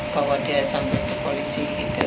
bahwa dia sampai ke polisi